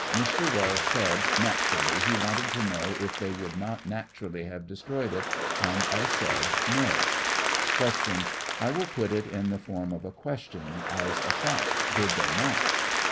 Mr. Wells said, naturally, he wanted to know if they would not naturally have destroyed it, and I said no. Q. I will put it in a form of a question ; as a fact, did they not